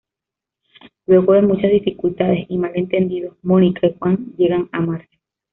Luego de muchas dificultades y malentendidos, Mónica y Juan llegan a amarse.